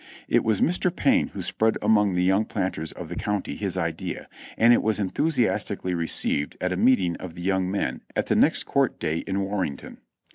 It was Mr, Payne who spread among the young planters of the county his idea, and it was enthusiastically received at a meeting of the young men at the next court day in Warrenton.